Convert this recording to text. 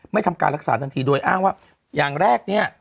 ทำการรักษาทันทีโดยอ้างว่าอย่างแรกเนี่ย